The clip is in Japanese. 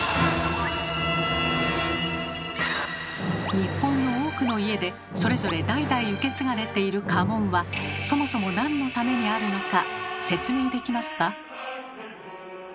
日本の多くの家でそれぞれ代々受け継がれている家紋はそもそもなんのためにあるのか説明できますか？